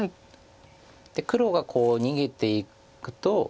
黒がこう逃げていくと。